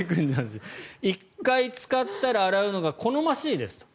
１回使ったら洗うのが好ましいですと。